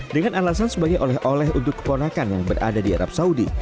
dengan alasan sebagai oleh oleh untuk keponakan yang berada di arab saudi